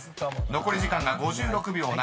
［残り時間が５６秒７。